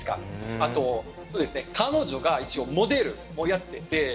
あと、彼女はモデルもやっていて。